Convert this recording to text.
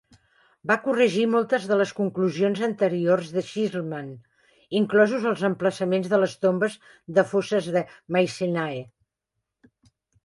Va corregir moltes de les conclusions anteriors de Schliemann, inclosos els emplaçaments de les tombes de foses de Mycenae.